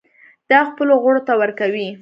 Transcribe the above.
دا خپلو غړو ته ورکوي.